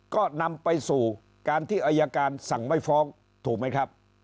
ก็นำไปสู่การที่อายการสั่งไม่ฟ้องถูกไหมครับ